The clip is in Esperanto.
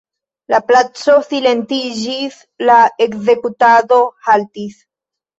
La placo silentiĝis, la ekzekutado haltis.